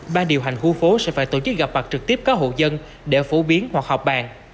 ban điều hành khu phố sẽ phải tổ chức gặp mặt trực tiếp các hộ dân để phổ biến hoặc họp bàn